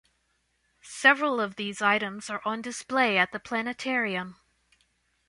Several of these items are on display at the planetarium.